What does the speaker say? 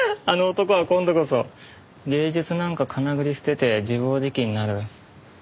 あの男は今度こそ芸術なんかかなぐり捨てて自暴自棄になる。